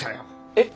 えっ！？